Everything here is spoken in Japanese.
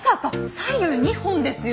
左右２本ですよ。